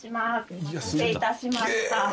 お待たせいたしました。